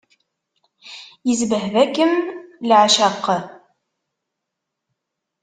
Isbehba-kem leɛceq.